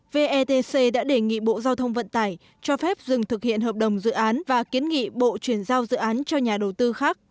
vetc đã đề nghị bộ giao thông vận tải cho phép dừng thực hiện hợp đồng dự án và kiến nghị bộ chuyển giao dự án cho nhà đầu tư khác